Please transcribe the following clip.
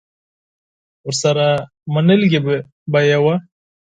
ورسره منلې به یې وه